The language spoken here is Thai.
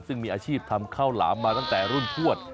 ซึ่งมีอาชีพทำข้าวหลามมาตั้งแต่รุ่นทวด